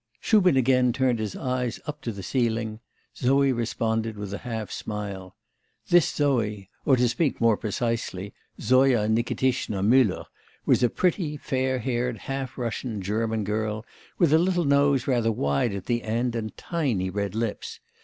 Shubin again turned his eyes up to the ceiling; Zoé responded with a half smile. This Zoé, or, to speak more precisely, Zoya Nikitishna Mueller, was a pretty, fair haired, half Russian German girl, with a little nose rather wide at the end, and tiny red lips.